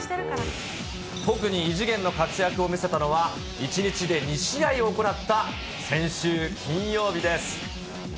特に異次元の活躍を見せたのは、１日で２試合行った先週金曜日です。